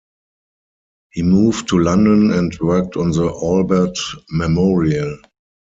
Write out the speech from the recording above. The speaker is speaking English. He moved to London and worked on the Albert Memorial.